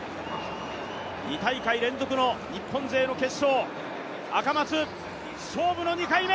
２大会連続の日本勢の決勝、赤松、勝負の２回目。